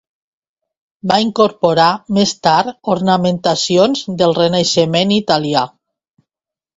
Va incorporar, més tard, ornamentacions del Renaixement italià.